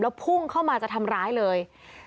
พุ่งเข้ามาจะทำร้ายเลย